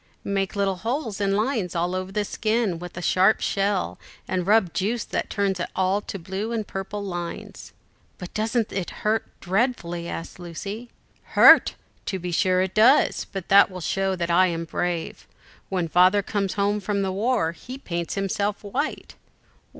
"Make little holes, and lines all over the skin with a sharp shell, and rub in juice that turns it all to blue and purple lines." "But doesn't it hurt dreadfully?" asked Lucy. "Hurt! to be sure it does, but that will show that I am brave. When Father comes home from the war, he paints himself white."